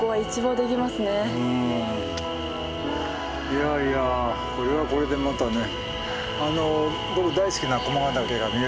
いやいやこれはこれでまたね。